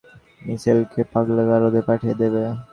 মিশেলকে পাগলা গারদে পাঠিয়ে দেবে?